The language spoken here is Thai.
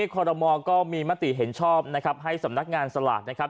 คอรมอก็มีมติเห็นชอบนะครับให้สำนักงานสลากนะครับ